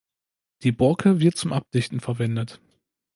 Die Borke wird zum Abdichten verwendet.